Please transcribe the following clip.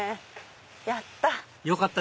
やった！